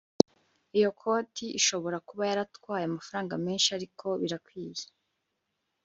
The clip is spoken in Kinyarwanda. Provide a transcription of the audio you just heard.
iyo koti ishobora kuba yaratwaye amafaranga menshi, ariko birakwiye